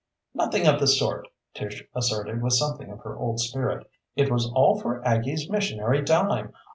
"Nothing of the sort," Tish asserted with something of her old spirit. "It was all for Aggie's missionary dime.